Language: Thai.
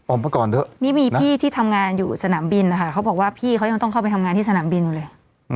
มาก่อนเถอะนี่มีพี่ที่ทำงานอยู่สนามบินนะคะเขาบอกว่าพี่เขายังต้องเข้าไปทำงานที่สนามบินอยู่เลย